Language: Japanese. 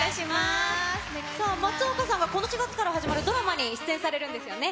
さあ、松岡さんは、この７月から始まるドラマに出演されるんですよね。